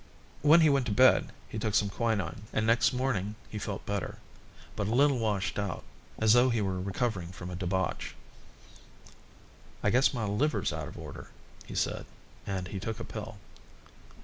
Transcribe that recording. When he went to bed he took some quinine, and next morning he felt better, but a little washed out, as though he were recovering from a debauch. "I guess my liver's out of order," he said, and he took a pill.